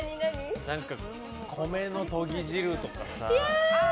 米のとぎ汁とかさ。